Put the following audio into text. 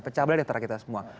pecah belah di antara kita semua